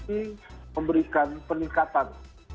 ini memberikan peningkatan